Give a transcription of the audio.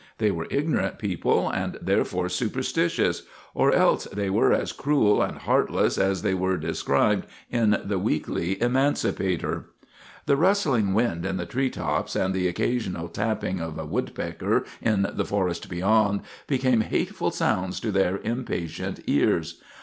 They were ignorant people, and therefore superstitious; or else they were as cruel and heartless as they were described in the "Weekly Emancipator." The rustling wind in the tree tops, and the occasional tapping of a woodpecker in the forest beyond, became hateful sounds to their impatient ears.